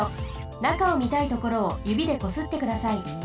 なかをみたいところをゆびでこすってください。